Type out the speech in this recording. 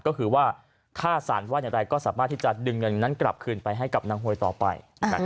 ก็คือว่าค่าสารว่าอย่างไรก็สามารถที่จะดึงเงินนั้นกลับคืนไปให้กับนางหวยต่อไป